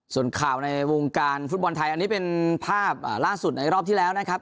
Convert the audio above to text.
ส่วนข่าวในวงการฟุตบอลไทยอันนี้เป็นภาพล่าสุดในรอบที่แล้วนะครับ